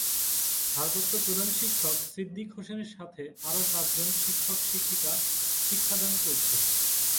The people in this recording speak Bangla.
ভারপ্রাপ্ত প্রধান শিক্ষক সিদ্দিক হোসেনের সাথে আরো সাত জন শিক্ষক শিক্ষিকা শিক্ষাদান করছেন।